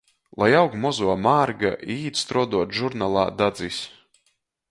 Lai aug muzuo mārga i īt struoduot žurnalā "Dadzis".